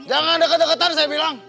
jangan ada kedekatan saya bilang